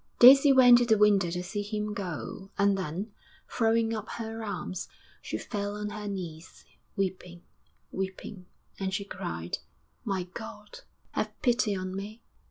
Daisy went to the window to see him go, and then, throwing up her arms, she fell on her knees, weeping, weeping, and she cried, 'My God, have pity on me!'